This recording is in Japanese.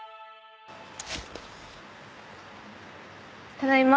ただいま。